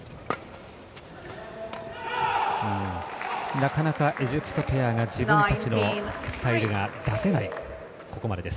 なかなかエジプトペアが自分たちのスタイルが出せないここまでです。